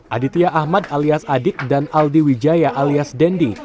aditya ahmad alias adik dan aldi wijaya alias dendi